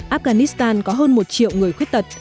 afghanistan có hơn một triệu người khuyết tật